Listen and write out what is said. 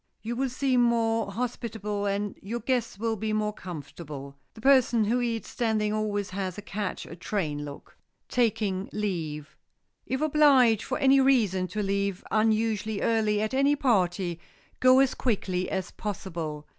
You will seem more hospitable and your guest will be more comfortable. The person who eats standing always has a catch a train look. [Sidenote: TAKING LEAVE] If obliged for any reason to leave unusually early at any party, go as quietly as possible.